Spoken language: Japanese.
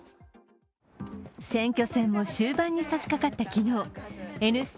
選挙戦も終盤に差しかかった昨日、「Ｎスタ」